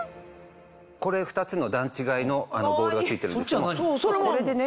これ２つの段違いのボールが付いてるんですけどこれでね